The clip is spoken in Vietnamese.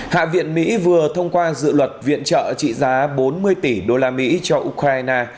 hạ viện mỹ vừa thông qua dự luật viện trợ trị giá bốn mươi tỷ usd cho ukraine